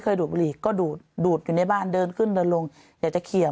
ดูดบุหรี่ก็ดูดอยู่ในบ้านเดินขึ้นเดินลงอยากจะเขียง